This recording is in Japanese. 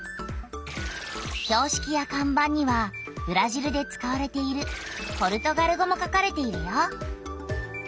ひょうしきやかん板にはブラジルで使われているポルトガル語も書かれているよ。